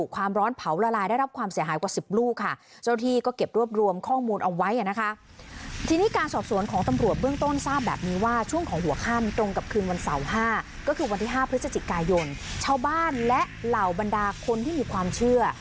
ของเรือเศรษฐกายนชาวบ้านและเหล่าบรรดาคนที่มีความเชื่อ